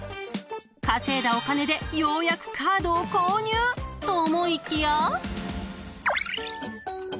［稼いだお金でようやくカードを購入と思いきや］